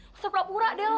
maksud kamu pura delo